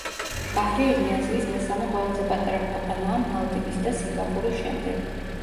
ბაჰრეინი აზიის მესამე ყველაზე პატარა ქვეყანაა მალდივის და სინგაპურის შემდეგ.